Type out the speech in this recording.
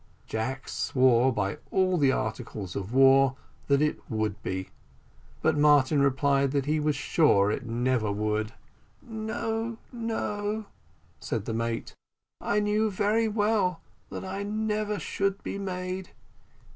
Jack swore, by all the articles of war, that it would be; but Martin replied that he was sure it never would. "No, no," said the mate, "I knew very well that I never should be made.